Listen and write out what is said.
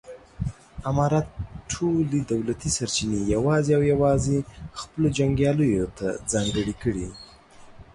امارت ټولې دولتي سرچینې یوازې او یوازې خپلو جنګیالیو ته ځانګړې کړې.